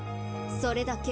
それだけ」。